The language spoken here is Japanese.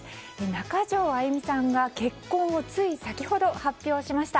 中条あやみさんが結婚をつい先ほど発表しました。